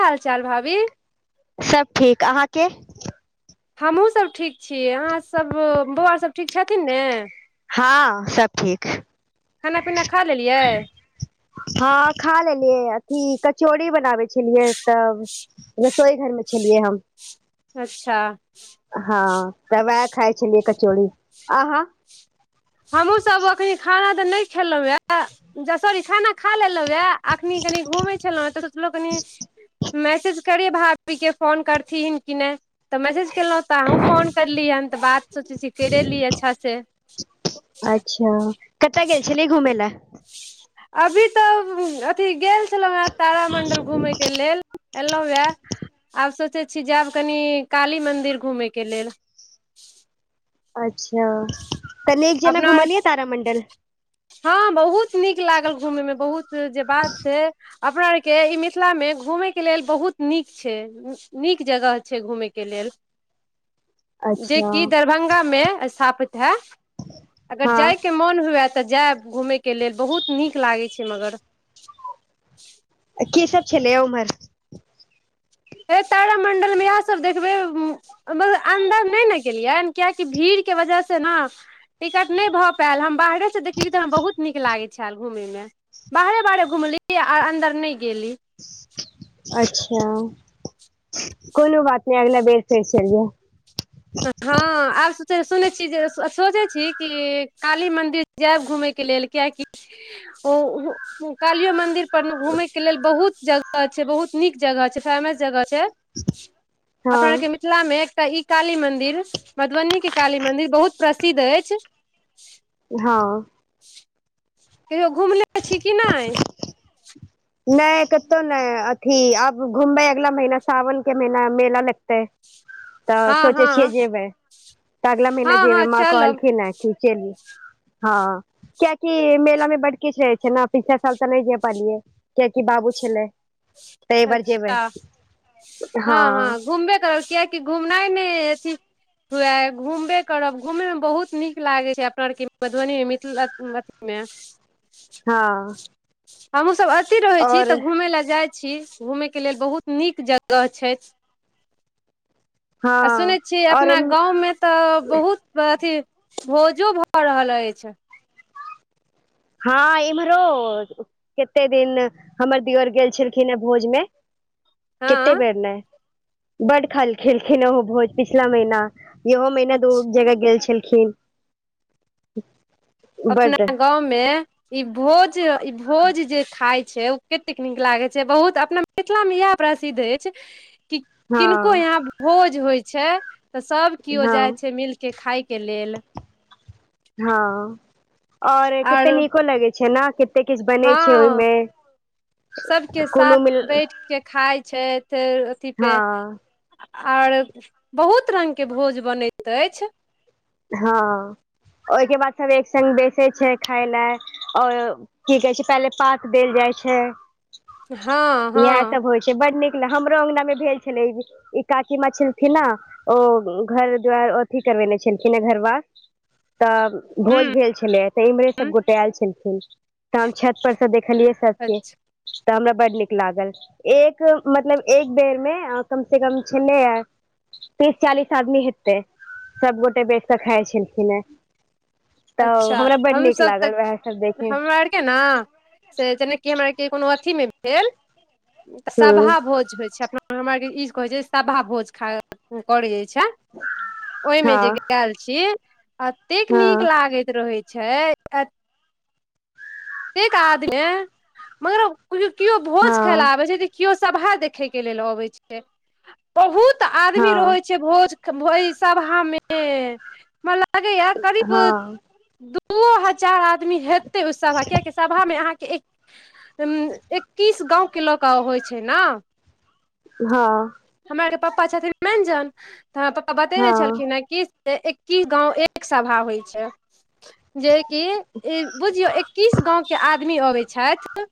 की हाल चाल भाभी सब ठीक अहाँके हमहुँ सभ ठीक ही अहाँसभ बौआ सभ ठीक छथिन ने हँ सब ठीक [inaudible] खाना पीना खा लेलियै हँ खा लेलियै अथी कचौड़ी बनाबै छलियै तब रसोई घर मे छलिए हम अच्छ हँ तऽ वएह खाइ छलियै कचौड़ी आहा हमहुँ सब अखनी खाना तऽ नहि खेलहुं ये जा सॉरी खाना खा लेलहु वएह अखनी कनि घूमै छलहुँ तऽ [unintelligible] मैसेज करिय भाभीे क फोन करथिन कि नाए तऽ मैसेज कयलहुँ तऽ अहूँ फोन करलियै हन तऽ बात सोचै छी कैरेलिए अच्छा स अच्छ कतय गेल छलिय घूमय लए अभी तऽ अथी गेल छलहुँ ह तारामंडल घूमे के लेल एलै वए आब सोचै छी जायब कनि काली मंन्दिर घूमयके लेल अच्छ त निक जैका अपना आर घुमलियै तारामंडल हँ बहुत नीक लागल घूमेय मे बहुत जे बात छै अपना आर के ई मिथिला मे घूमेय के लेल बहुत नीक छै नीक जगह छै घूमेयके लेल जे अच्छा कि दरभंगा स्थापित है अगर हँ जायके मोन हुए तऽ जायब घूमय के लेल बहुत नीक लागै छै मगर की सब छलैए उम्हर ए तारामंडल मे इएह सब देखबै ओ म त अंदर नहि ने गेलियै कियकि भीड़ के वजह से ने टिकट नहि भऽ पायल हम बाहरेसँ देखलियै तऽ हमरा बहुत नीक लागैत छल घुमैमे बाहरे बाहरे घूमली आर अंदर नहि गेली अच्छा कोनो बात नहि अगला बेर फेर चलि जेब। हँ। आब सुनै छी जे सोचै छै कि काली मन्दिर जायब घूमयके लेल कियकि। ओ। कालियो मंदिर पर ने घूमेय के लेलऽ बहुत जगह छै बहुत निक जगह छै फेमस जगह छै हँ अपना के मिथिला मे एकटा ई काली मंदिर मधुबनी के काली मंदिर बहुत प्रसिद्ध अछि। हँ। कहियो घुमने छै कि नहि ह। नहि कततौ नहि अथि अब घुमबै अगला महीना सावन के महीना मेला लगता है तऽ हँ सोचे हँ छियै जेबै तऽ अगला हँ महीना हँ जेबै माँ कहल चलब खना ठीक हँ कियकि मेला मे बड़ किछु रहे छै ने पिछलाे साल तऽ नहि जा पलियै कियकि बाबू छलै। तऽ एहि बार जेबै अच्छा, हँ, हँ घूमबे कर घुमनाइ मे अथि हुए घूमबे करब घूमे मे बहुत निक लागे छै, अपना आर के मधुबनी मे मिथिला अछी अथि मे [inaudible] हँ। हमहूँ सभ अथि रहै छी आओर तऽ घूमे लए जाइत छी छी घूमेय के लेलऽ बहुत निक जगह छै हँ आ सुनैत छीयै आओर अपना गाव मे तऽ बहुत अथि भोजो भऽ रहल अछि हँ, एम्हारो कते दिन हमर दियो गेल छलखिन हे भोज मे कते हँ बेर ने बड़ खेलखिन ओ भोज पिछला महिना यहो मेना दो अच्छा जगह गेल छलखिन। अपना बड गाव मे ई भोज ई भोज जे खाय छै ओ कतेक निक लागे छै बहुत अपना। मिथिला मे इएह प्रसिद्ध अछि हँ किनको यहा भोज होय छै तऽ सभ केो हँ जाय छै मिल के खाय के लेल हँ और कते आर निको लगै छै ने कऽ कते किछु बनै हँ छै ओहिमे सबके साथ कोनो बैठ के खाय छै फेर अथि पे हँ आर बहुत रंगके भोज बनैत अछि। हँ ओहिके बाद सभ एक संघ बेचे छै, खाय लए आओर कि कहै छै, पहले पात देल जाइ छै हँ इएह हँ सभ होइ छै से बड़ निक ल हमरो अंगना मे भेल छलै ई ई काकी मछथि न ओ घर द्वार अथि करबेने छै। छलखिन घरवास तऽ भोज भेल छलै तऽ इम्हरे सभ गोटे आयल छलखिन तऽ हम छत परसँ देखलियै सभके अच्छा तऽ हमरा बड़ निक लागल एक मतलब एक बेरमे कम से कम छने यार तीस चालीस आदमी हेतै सबगोटे बेच कऽ खाइ छलखिन हे तऽ अच्छा हमरा बड्ड नीक लागल वएह सब देखे के ने से जेनाकि हमरा आरके कोनो अथी मे भेल तऽ सभा हूँ भोज होइ छै अपना हमरा आरके ईसभ कहै छै सभा भोज खा करै जाइ छै ओहिमे जे हँ गैल छी एतेक नीक हँ लागैत रहैत छै एतेक आदमी मगर केओ भोज खायला हँ आबे छै कियो सभा देखै के लेल अबै छै बहुत आदमी हँ रहै छै भोज भइ सभा मे हमरा लागेये करीब हँ दूओ हजार आदमी हेतै ओइ सभा कियेकि सभामे अहाँके एक एक्कीस गाँव के लऽ कऽ होइ छै ने हँ हमरा आरके पप्पा छथिन मेंजन तऽ हमरा पप्पा बतेने हँ छलखिन हें की से एक्कीस गाँव एक सभा होइ छै जे कि बुझियौ एक्कीस गाँंव के आदमी अबै छथि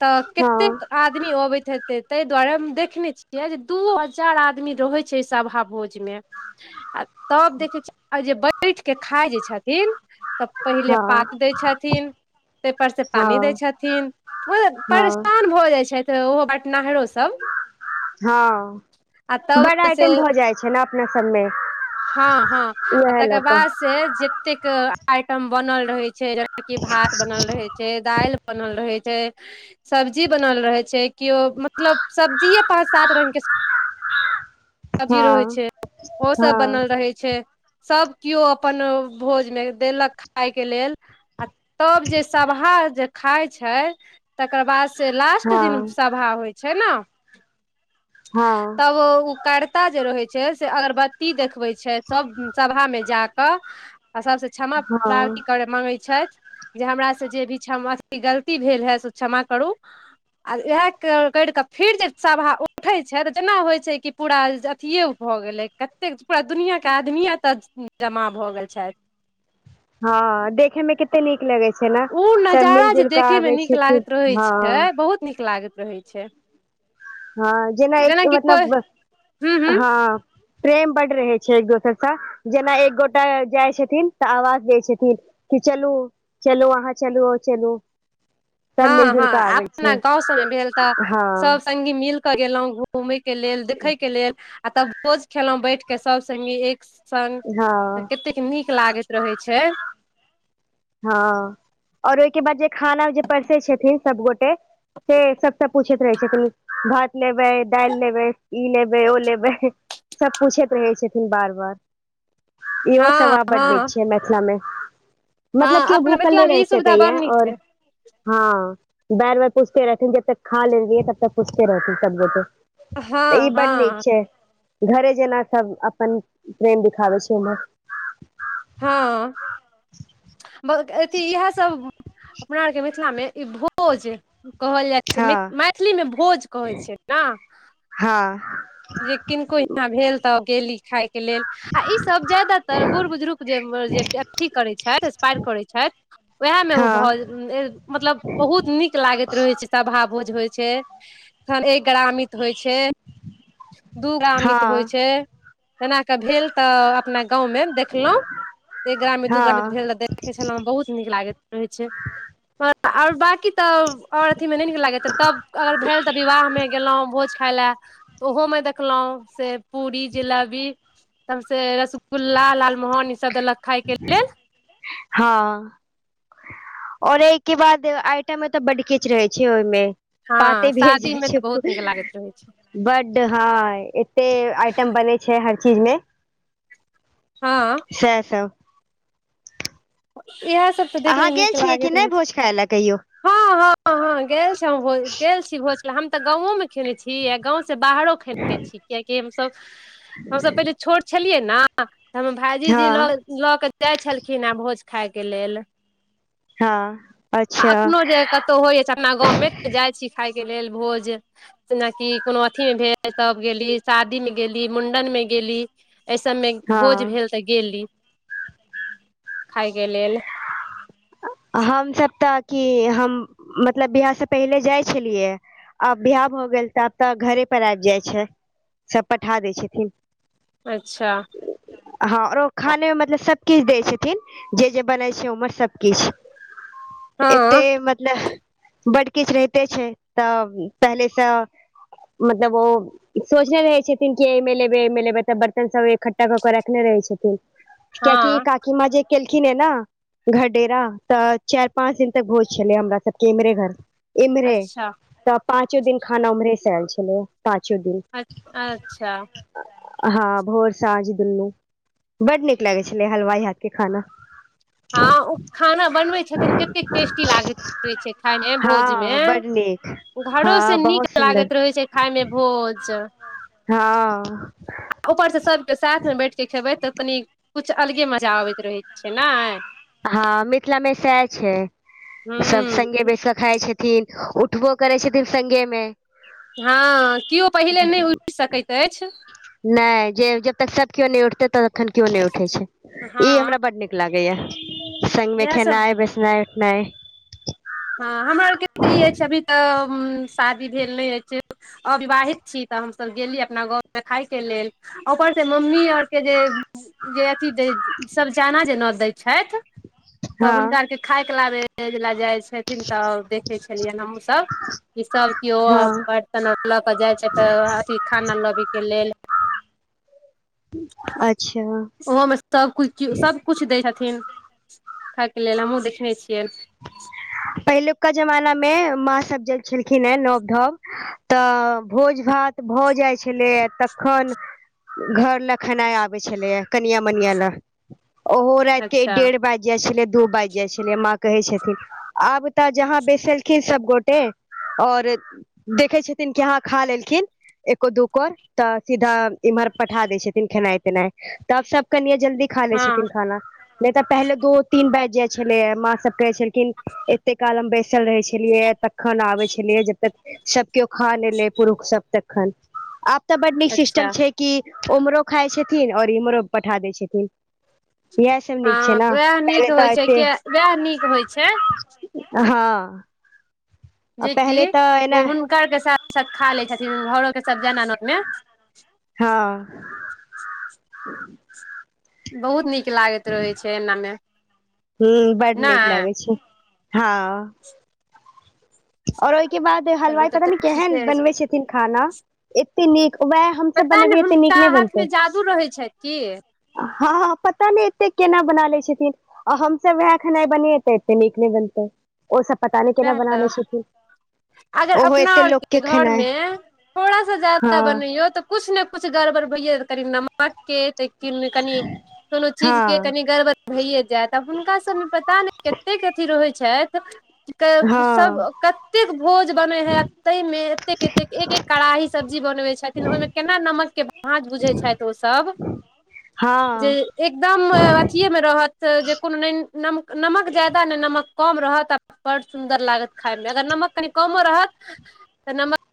तऽ हँ केतेक आदमी अबैत हेत तै ताहि दुआरे हम देखने छियै जे दू हजार आदमी रहै छै अइ सभा भोज मे आ तब देखै छियै जे बैठि के खाय जे छथिन तऽ पहिले पात दै छथिन तैपर से पानी दै हँ छथिन ओ हँ परेशान भऽ जाइ छथिन ओहो बटनाहरो सब हँ आ बड़ तब से आइटम भऽ जाइ छै ने अपना सबमे हँ हँ आ उएह लऽ तकर कऽ बाद से से जेतेक आइटम बनल रहै छै जेना कि भात बनल रहै छै दालि बनल रहै छै सब्जी बनल रहै छै किओ मतलब सब्जिए पाँच सात रङ्गके सब्जी रहै हँ छै ओ सब हँ बनल रहै छै सब किओ अपन भोज मे देलक खाय के लेल आ तब जे सभहा जे खाइ छै तकर बादसँ लास्ट दिन हँ सभा होइ छै ने हँ तब ओ करता जे रहै छै से अगरबत्ती देखबै छै छथि सभ सभामे जा कऽ आ सभसँ क्षमा हँ प्रारती करय माँगै छथि जे हमरासँ जे भी क्षमा गलती भेल हे से क्षमा करू आ इएह करि कऽ फिर जे सभा उठैत छै तऽ जेना होइत छै कि पूरा अथिये भऽ गेलै कतेक पूरा दुनियाँके आदमी एतऽ जमा भऽ गेल छथि हँ देखे मे कते नीक लगै छै ने उ सब मिल नजारा जे जुल कऽ देखेमे आबै नीक छथिन लागैत रहैत हँ छै बहुत नीक लागैत रहैत छै हँ जेना एक जेनाकि कोइ मतलब हूँ हूँ हँ प्रेम बड्ड रहै छै एक दोसरसँ जेना एक गोटा जाइ छथिन तऽ आवाज दै छथिन कि चलू चलू अहाँ चलू आ चलू सब मिल हँ जुल कऽ हँ आबै छै अपना गाँंव सबमे भेल तऽ हँ सब सखी मिल के गेलहुँं घूमय के लेल देखै के लेल आ तब भोज खेलहुँ बैठ कऽ सभ सङ्गी एक सङ्ग हँ तऽ कतेक नीक लागैत रहै छै हँ और ओहिके बाद जे खाना जे परसै छथिन सबगोटे से सबसँ पूछैत रहै छथिन भात लेबै दालि लेबै ई लेबै ओ लेबै सब पूछैत रहै छथिन बार बार इहो हँ स्वभाव हँ बड्ड नीक छै मिथिला मे हँ मतलब केयो अपना भूखल नहि मिथिलामे रहि ई सुविधा बड़ सकैये नीक छै और हँ बेर बेर पुछते रहती जब तक खा ले रियै तब तक पूछते रहतन सबगोटे तऽ हँ ई बड नीक हँ छै घरे जेना सब अपन प्रेम दिाबे छै हम हँ अ इह अपना आर के मिथिला मे भोज कहल जाइ छै हँ मैथिलीमे भोज कहैत छै ना हँ जे किनको यहाँ भेल तऽ गेली खाायके लेल आ ईसब ज्यादातर बूढ़ बुजुर्ग जे अथी करैत छथि इसपायर करै छथि वएहमें बहुत हँ मतलब बहुत नीक लागैत रहै छै सभा भोज होइ छै न एक ग्रामित होइ छै दूगामित होइ हँ छै जेना कऽ भेल तऽ अपना गाँवमे देखलहुं एक ग्राम मे दू ग्रामी भेल हँ तऽ देखे छलहुं बहुत नीक लागैत रहै छै आओर बकी तऽ और अथी मे नीक लागैत रहे तब अगर भेल तऽ विवाह में गेलों भोज खाय ले तऽ ओहो में देखलहुं से पू जिलेबी त से रसगुल्ला लालमोहन ई सब देलक खाय के लेल हँ और एहिके बाद आइटा मे तऽ बड किच रहै छै ओहिमे हँ पाते भेर शादी जाइ मे तऽ बहुत छै नीक लागैत रहै छै बड हँ एते आइटम बनै छै हर चीज मे हँ सेह सब इएह सब तऽ अहाँ देखयमे गेल नीक छियै कि लागैत नहि रहै छै भोज खाय लए कहियो हँ हँ ह गेल छी गेल छी भोसला हम तऽ गाँवो में खेने छी आ गाँंव से बाहरो आ कियैकि हमसब हमसब पहिले छोट छलियै न तऽ हमर भायजी लग हँ लऽ केऽ जाइ छलखिने भोज खायके लेल हँ आ अच्छा एखनोहु जे कतहु होइय छै अपना गाँवमे जाइ छी खायके लेल भोज जेनाकि कोनो अथी मे भेल तब गेली शादी मे गेली मुंडन मे गेली एहि सबमे भोज हँ भेल तऽ गेली खायके लेल हमसब तऽ की हम मतलब बिहार से पहिले जाइ छलियै आ बियाह भ गेल तऽ आब तऽ घरे पर आबि जाइ छै सब पठा दै छथिन अच्छा हँर खानेमे मतलब सबकिछ दै छथिन जे जे बनै छै ओहिमे सबकिछ एते हँ मतलब बड किछ रहिते छै तऽ पहिलेसँ मतलब ओ सोचने रहै छथिन कि एहिमे लेबै एहिमे लेबै तऽ बर्तन सब इकठ्ठा कऽ कऽ रखने रहै छथिन क्यकि हँ काकीमा जेे केलखिन ह न घ डेरा तऽ चाइर पाँच दिन तक भोज छलै हमरा सबके इम्हरे घर इम्हरे अच्छा तऽ पाँचो दिन खाना उम्हरे से आयल छले पाँचो दिन अ अच्छा हँ भोर साझ दुनु बड निक लागै छलै हलवाई हाथ के खाना हँ ओ खाना बनबै छथिन कतेक टेस्टी लागैत रहै छै खायमे भोज मे हँ बड नीक घरो हँ से बहुत निक सुन्दर लागैत रहै छै, खाय मे भोज हँ। आरऊ परसँ सभ के साथमे बैठ क खेबै तऽ कनि कछु अलगे मजा अबैत रहैत छै ने हँ मिथिला मे सएह छै सभ हूँ संगे बेस खााय छै नै उठबो करै छथिन संगे मे हँ, केओ पहिले नहि उठि सकैत अछि। नहि जे जबतक सभ केो नहि उठते तबखन केो नहि उठे छै ई हँ हमरा बड निक लागै या संघ मे इएह सब खेनाइ बसना उठनाइ हँ हमरा आर के तऽ ई अछि अभी तऽ शादी भेल नहि अछि। आवाहित छी तऽ हमसभ गेली अपना गाँ देख खायके लेल ओकर से मम्मी और के जे जे अथि सभ जाना जे नोत दै छथि। तऽ हँ हुनका आरके खायके लाबे लऽ जाइ छथिन तऽ देखे छलियै हमहु सभ ई सभ केओ हँ बर्तन लऽ कऽ जाइत छै तऽ अथि खाना लबै के लेलऽ अच्छा। ओहो मे सभकूछ सभ कुछु दै छथिन खाय के लेल हमहुँ देखने छियै पहिलुका जमाना मे माँ सभ जे छलखिन हे नव धव तऽ भोज भात भऽ जाइ छलै तखन। घर लऽ खेनाइ आबै छलैए कनिया मनिया लए ओहो राति के अच्छा डेढ़ बाजि जाइ छलै दू बाजि जाइ छलै माँ कहै छथिन। आब तऽ जहाँ बैसलखिन सभ गोटे और देखै छथिन कि हा खा लेलखिन एको दू कोर तऽ सीधा इम्हर पठ दै छथिन खेनाई तेनाई तऽ सभ करनिया जल्दी खा ले हँ छथिन खाना नहि तऽ पहिले दो तीन बाज जाइ छलै ह माँ सभ कहै छलखिन एते काल हम बैसल रहे छलियै तखन आबे छलियै जबतक सभ केओ खा एलै पुरुष सभ तखन आब तऽ बड़ निक अच्छा सिस्टम छै कि उम्हरो खाई छथिन और इम्हरो पठा दै छथिन। इहे सभ निक छै ने पहिले तऽ आ छै वएह निक होइ छै। हँ। आ जेकि पहिले तऽ एना ओ हुनकर के साथ साथ खा ले छथिन घरो के सभ जन नोत मे हँ। बहुत निक लागैत रहै छै एनामे ह बड़ निक लगै छै हँ आओर ओहिके बाद चलू हलवाइ तब पता नहि तऽ केहन ठीके अछि बनबै छथिन खाना एते निक वएह हमस पता नहि बनबियै एते निक हुनका नहि हाथ बनतै मे जादू रहै छै की हँ, पता नहि एते केना बना ले छथिन। आ हमसभ वएह खेनाई बनीतै एते निक नहि बनतै ओसभ पता नहि केना वएह बना तऽ ले छीन अगर अपना आर के घरमे थोड़ा सा जादा हँ बनैयौ तऽ कुछ ने कुछ गड़बड़बैया भैये नमके [unintelligible] कनिये कोनो चीज केँ हँ कनि गरबर भइए जायत आब हुनकासभमे पता नहि कतेक अथी रहैत छथि केँ सब हँ कतेक भोज बनै हइ आ ताहिमे एतेक एतेक एक एक कड़ाही सब्जी बनबै छथिन ओहिमे केना नमककेँ भाँज बुझै छथि ओसभ हँ जे एकदम अथीए मे रहत जे कोनो नहि नम नमक जादा नहि नमक कम रहत बड्ड सुंन्दर लागत खाय मे अगर नमक कनि कमो रहत तऽ नमक